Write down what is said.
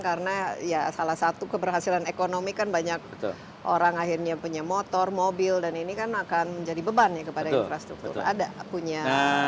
karena salah satu keberhasilan ekonomi kan banyak orang akhirnya punya motor mobil dan ini kan akan menjadi beban kepada infrastruktur